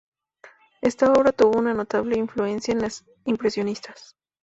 Esta obra tuvo una notable influencia en los impresionistas.